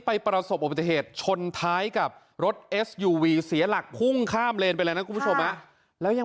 ประสบอุบัติเหตุชนท้ายกับรถเอสยูวีเสียหลักพุ่งข้ามเลนไปเลยนะคุณผู้ชมแล้วยัง